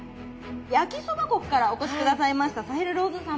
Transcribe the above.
焼きそば国からお越し下さいましたサヘル・ローズ様。